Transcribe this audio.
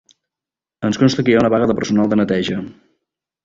Ens costa que hi ha una vaga de personal de neteja.